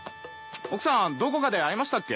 奥さんどこかで会いましたっけ？